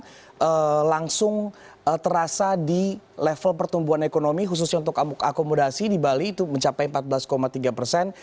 jadi ini langsung terasa di level pertumbuhan ekonomi khususnya untuk akomodasi di bali itu mencapai empat belas tiga persen